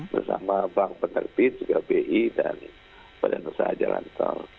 bersama bank penerbit juga bi dan badan usaha jalan tol